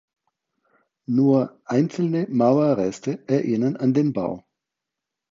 Nur einzelne Mauerreste erinnern an den Bau.